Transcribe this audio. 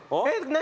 何？